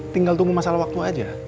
tinggal tunggu masalah waktu aja